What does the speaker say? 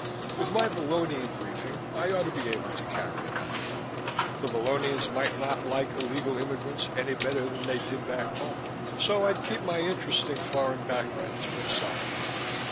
With my Vallonian briefing I ought to be able to carry it off. The Vallonians might not like illegal immigrants any better than they did back home, so I'd keep my interesting foreign background to myself.